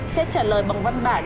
sẽ trả lời bằng văn bản